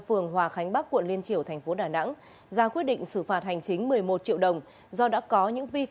phường hòa khánh bắc quận liên triều tp đà nẵng ra quyết định xử phạt hành chính